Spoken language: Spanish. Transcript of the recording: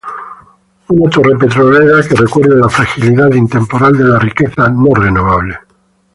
Una torre petrolera que recuerda la fragilidad intemporal de la riqueza no renovable.